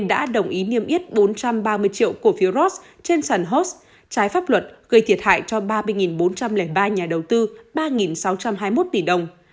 đã đồng ý niêm yết bốn trăm ba mươi triệu cổ phiếu ross trên sàn hot trái pháp luật gây thiệt hại cho ba mươi bốn trăm linh ba nhà đầu tư ba sáu trăm hai mươi một tỷ đồng